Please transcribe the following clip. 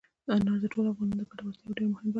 انار د ټولو افغانانو د ګټورتیا یوه ډېره مهمه برخه ده.